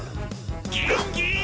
ギンギン！